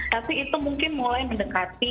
tapi itu mungkin mulai mendekati